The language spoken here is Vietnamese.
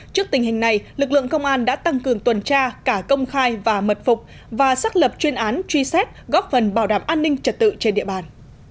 trước tình hình này lực lượng công an đã tăng cường tuần tra cả công khai và mật phục và xác lập chuyên án truy xét góp phần bảo đảm an ninh trật tự trên địa bàn